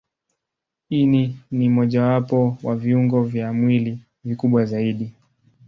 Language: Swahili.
Ini ni mojawapo wa viungo vya mwili vikubwa zaidi.